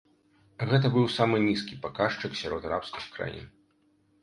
Гэта быў самы нізкі паказчык сярод арабскіх краін.